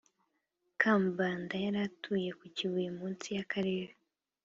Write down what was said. Kambanda yaratuye kukibuye munsi yakarere